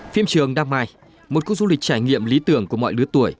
phim trường đam mai một cuộc du lịch trải nghiệm lý tưởng của mọi đứa tuổi